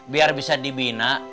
biar bisa dibina